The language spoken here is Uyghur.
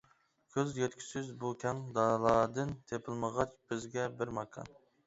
كۆز يەتكۈسىز بۇ كەڭ دالادىن تېپىلمىغاچ بىزگە بىر ماكان.